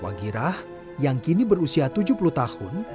wagirah yang kini berusia tujuh puluh tahun